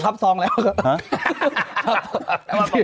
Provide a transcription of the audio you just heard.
ก็รับซองแล้ว